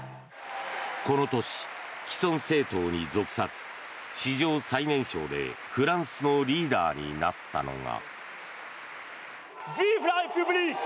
この年、既存政党に属さず史上最年少でフランスのリーダーになったのが。